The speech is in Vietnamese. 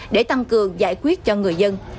để tăng cường giải quyết cho người dân